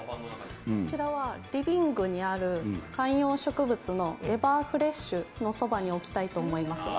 こちらはリビングにある観葉植物のエバーフレッシュのそばに起きたいと思います